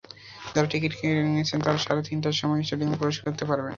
যাঁরা টিকিট কিনেছেন, তাঁরা সাড়ে তিনটার সময়ই স্টেডিয়ামে প্রবেশ করতে পারবেন।